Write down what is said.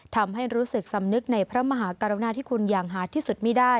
ทำให้รู้สึกสำนึกในพระมหากรุณาที่คุณอย่างหาดที่สุดไม่ได้